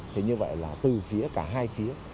thế như vậy là từ phía cả hai phía